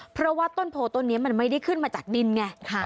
เพราะว่าต้นโพต้นนี้มันไม่ได้ขึ้นมาจากดินไง